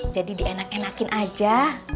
jadi dienak enakin aja